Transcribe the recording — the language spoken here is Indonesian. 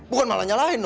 bukan malah nyalahin no